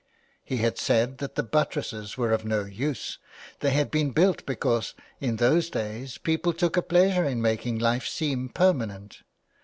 He had said that the buttresses were of no use ; they had been built because in those days people took a pleasure in making life seem permanent.